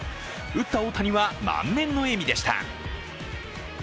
打った大谷は、満面の笑みでした。